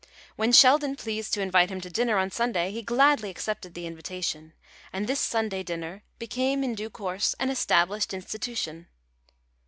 When Mr. Sheldon pleased to invite him to dinner on Sunday he gladly accepted the invitation, and this Sunday dinner became in due course an established institution.